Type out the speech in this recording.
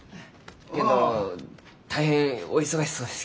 けんど大変お忙しそうですき。